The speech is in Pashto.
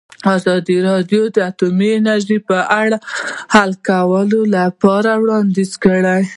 ازادي راډیو د اټومي انرژي په اړه د حل کولو لپاره وړاندیزونه کړي.